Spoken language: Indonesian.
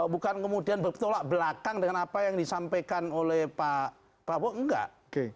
bukan kemudian bertolak belakang dengan apa yang disampaikan oleh pak prabowo enggak